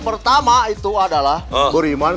pertama itu adalah beriman